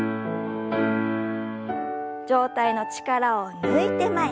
上体の力を抜いて前。